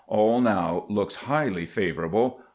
All now looks highly favorable.